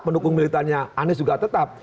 pendukung militannya anies juga tetap